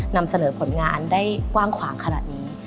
นำเสนอผลงานได้กว้างขวางขนาดนี้